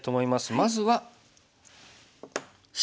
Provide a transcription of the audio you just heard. まずはＣ。